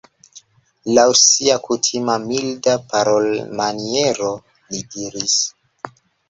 Laŭ sia kutima milda parolmaniero li diris: